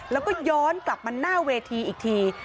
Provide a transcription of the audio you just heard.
แล้วก็ย้อนกลับมาหน้าเวทีอีกที